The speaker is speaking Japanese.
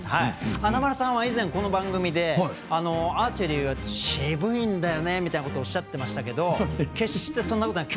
華丸さんは、以前この番組で、アーチェリーは渋いんだよねみたいなことをおっしゃってましたけど決してそんなことはない。